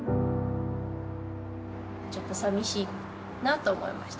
ちょっとさみしいなと思いましたかね。